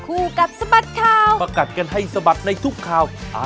โอเคดีกว่างานขี้บ้านเป็นตลาดดูนะ